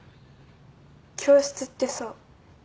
教室ってさ。